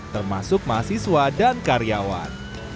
termasuk mahasiswa dan karyawan